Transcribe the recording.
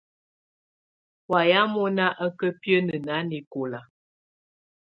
Wayɛ̀á mɔ̀ná á kà biǝ́nǝ́ nanɛkɔ̀la.